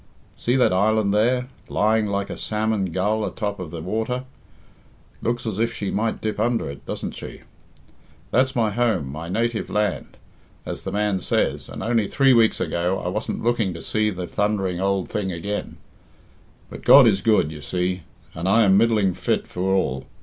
See that island there, lying like a salmon gull atop of the water? Looks as if she might dip under it, doesn't she? That's my home, my native land, as the man says, and only three weeks ago I wasn't looking to see the thundering ould thing again; but God is good, you see, and I am middling fit for all.